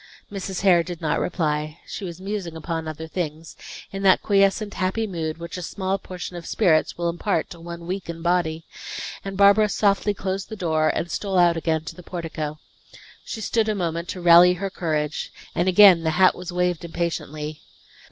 Mrs. Hare did not reply. She was musing upon other things, in that quiescent happy mood, which a small portion of spirits will impart to one weak in body; and Barbara softly closed the door, and stole out again to the portico. She stood a moment to rally her courage, and again the hat was waved impatiently.